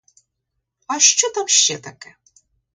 А що там ще таке?